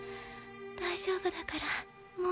大丈夫だからもう。